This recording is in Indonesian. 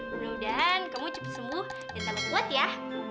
mudah mudahan kamu cepat sembuh dan tambah kuat ya